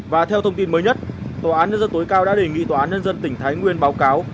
và theo thông tin mới nhất tòa án nhân dân tối cao đã đề nghị tòa án nhân dân tỉnh thái nguyên báo cáo